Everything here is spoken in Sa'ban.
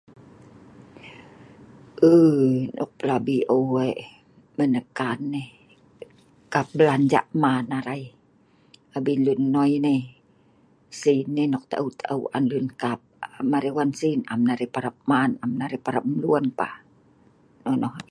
Ui nok plabi eu menekan ai, kap blanja man arai abin lun noi nei, sin nai nok ta'eu ta'eu on lun kap, am arai wan sin am nah arai parap man, am nah arai parap mluen pah, nonoh.